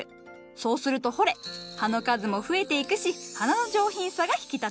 そうするとほれ葉の数も増えていくし花の上品さが引き立つ。